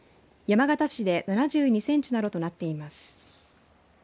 山形市で７２センチなどとなっています。